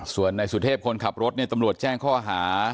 ส่วนนายสุเทพคนขับรถเนี่ยตำรวจแจ้งข้อหา